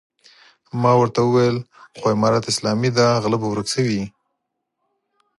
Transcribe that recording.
ما ورته وويل خو امارت اسلامي دی غله به ورک شوي وي.